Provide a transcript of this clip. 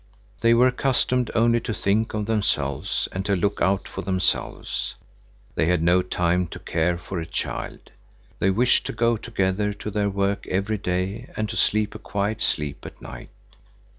They were accustomed only to think of themselves and to look out for themselves. They had no time to care for a child. They wished to go together to their work every day and to sleep a quiet sleep at night.